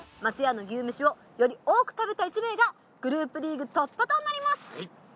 松屋の牛めしをより多く食べた１名がグループリーグ突破となります。